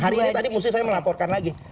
hari ini tadi musti saya melaporkan lagi